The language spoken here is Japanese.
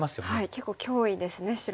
結構脅威ですね白は。